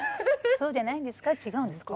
そうじゃないんですか違うんですか？